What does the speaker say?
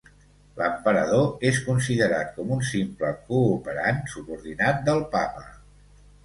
L'Emperador és considerat com un simple cooperant subordinat del Papa.